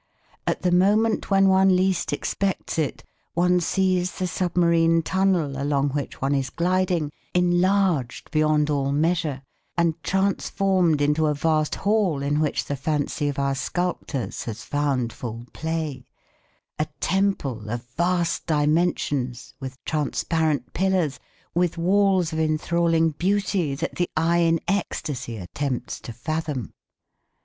At the moment when one least expects it one sees the submarine tunnel along which one is gliding, enlarged beyond all measure and transformed into a vast hall in which the fancy of our sculptors has found full play, a temple of vast dimensions with transparent pillars, with walls of enthralling beauty that the eye in ecstasy attempts to fathom.